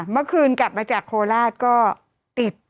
เมื่อคืนกลับมาจากโคราชก็ติด